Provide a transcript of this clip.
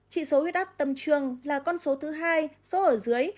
chỉ số huyết áp tâm trường là con số thứ hai số ở dưới